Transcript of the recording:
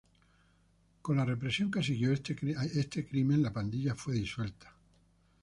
Con la represión que siguió este crimen la pandilla fue disuelta.